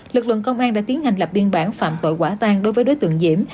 lực lượng công an đã tiến hành lập biên bản phạm tội quả tan đối với đối tượng diễm